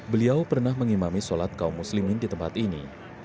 beliau pernah mengimami sholat kaum muslimin di tempat ini